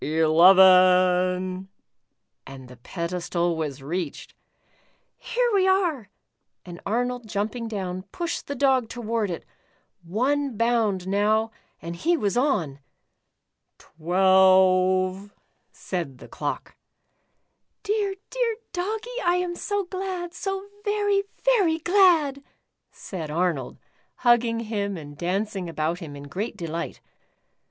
''Eleven f' and the pedestal was reached. "Here we are," and Arnold jumping down, pushed the Dog toward it ! One bound now, and he w^as on !!" Twelve !" said the clock. " Dear, dear Doggie, I am so glad, so very, very glad," said Arnold, hugging him and dancing about him in great delight.